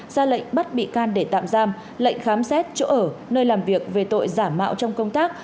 ra lệnh bắt bị can để tạm giam lệnh khám xét chỗ ở nơi làm việc về tội giả mạo trong công tác